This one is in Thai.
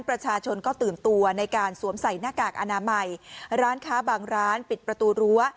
ประชาชนก็ตื่นตัวในการสวมใส่หน้ากากอนามัยร้านค้าบางร้านปิดประตูรั้ว